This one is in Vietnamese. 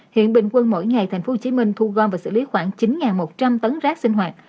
hiện bình quân mỗi ngày tp hcm thu gom và xử lý khoảng chín một trăm linh tấn rác sinh hoạt